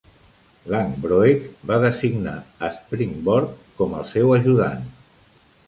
Langbroek va designar Springborg com el seu ajudant.